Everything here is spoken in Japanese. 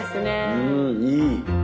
うんいい。